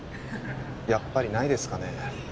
やっぱりないですかね？